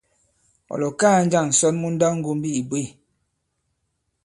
Ɔ̀ lɔ̀kaa njâŋ ǹsɔn mu nndawŋgombi ǐ bwě ?